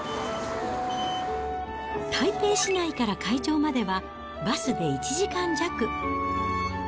台北市内から会場までは、バスで１時間弱。